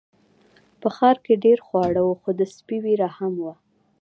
په ښار کې ډیر خواړه وو خو د سپي ویره هم وه.